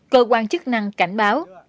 cơ quan chức năng cảnh báo